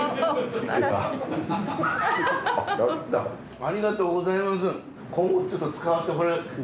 ありがとうございます。